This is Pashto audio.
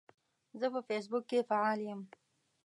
زه په فیسبوک کې فعال یم.